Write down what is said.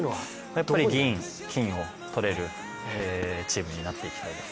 やっぱり銀、金を取れるチームになっていきたいです。